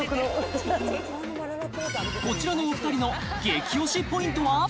こちらのお二人の激おしポイントは？